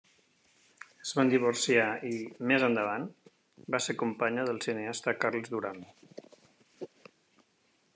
Es van divorciar i, més endavant, va ser companya del cineasta Carles Duran.